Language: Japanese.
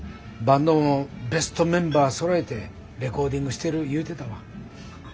バンドもベストメンバーそろえてレコーディングしてる言うてたわ。